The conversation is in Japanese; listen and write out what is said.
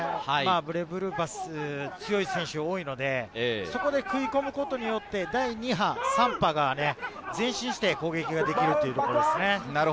ブレイブルーパス、強い選手が多いので、そこで食い込むことによって第２波、３波が前進して攻撃ができるということです。